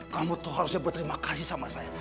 kamu tuh harusnya berterima kasih sama saya